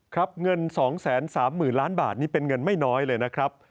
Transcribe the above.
เงิน๒๓๐๐๐ล้านบาทนี่เป็นเงินไม่น้อยเลยนะครับ